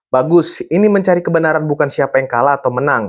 bagus ini mencari kebenaran bukan siapa yang kalah atau menang